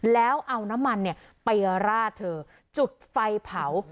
แล้วเอาน้ำมันไปราดเธอจุดไฟเผา